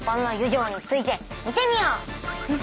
うん。